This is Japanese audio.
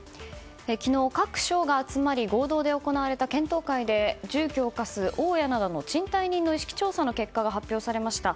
昨日、各省が集まり合同で行われた検討会で住居を貸す大家などの賃貸人の意識調査の結果が発表されましたが。